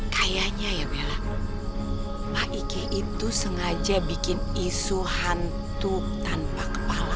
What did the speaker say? kayaknya ya bella pak ike itu sengaja bikin isu hantu tanpa kepala